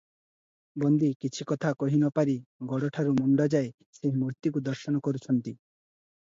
ବନ୍ଦୀ କିଛି କଥା କହି ନ ପାରି ଗୋଡ଼ଠାରୁ ମୁଣ୍ତ ଯାଏ ସେହି ମୂର୍ତ୍ତିକୁ ଦର୍ଶନ କରୁଛନ୍ତି ।